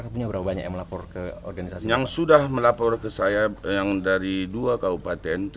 gejalanya seperti apa pak